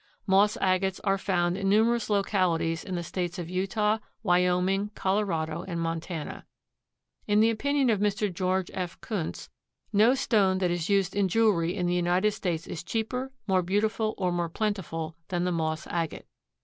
Moss agates are found in numerous localities in the States of Utah, Wyoming, Colorado and Montana. In the opinion of Mr. George F. Kunz "no stone that is used in jewelry in the United States is cheaper, more beautiful or more plentiful than the moss agate."